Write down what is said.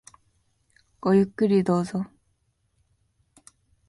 ごゆっくりどうぞ。